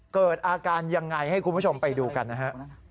เกิดอาการยังไงให้คุณผู้ชมไปดูกันนะฮะ